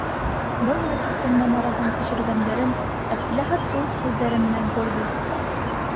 Был мәсеттең манараһын төшөргәндәрен Әптеләхәт үҙ күҙҙәре менән күрҙе.